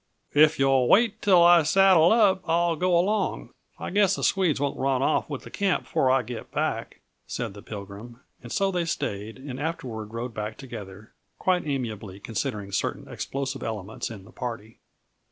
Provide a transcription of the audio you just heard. "If you'll wait till I saddle up, I'll go along. I guess the Svenskies won't run off with the camp before I get back," said the Pilgrim, and so they stayed, and afterward rode back together quite amiably considering certain explosive elements in the party.